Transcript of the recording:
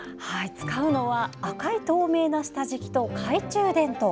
使うのは赤い透明な下敷きと懐中電灯。